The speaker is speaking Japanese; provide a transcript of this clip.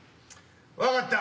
分かった。